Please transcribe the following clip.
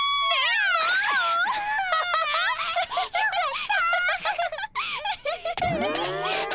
あよかった。